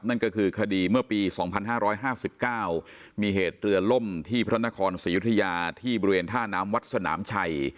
นั่นก็คือคดีเมื่อปี๒๕๕๙มีเหตุเรือล่มที่พระนครศรียุธยาที่บริเวณท่าน้ำวัดสนามชัย